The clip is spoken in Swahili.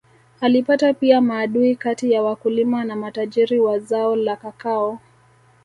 Alipata pia maadui kati ya wakulima na matajiri wa zao la kakao